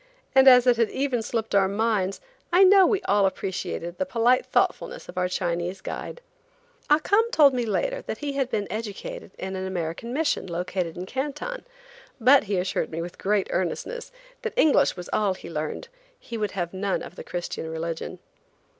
and as it had even slipped our minds, I know we all appreciated the polite thoughtfulness of our Chinese guide. Ah Cum told me later that he had been educated in an American mission located in Canton, but he assured me, with great earnestness, that English was all he learned. He would have none of the Christian religion.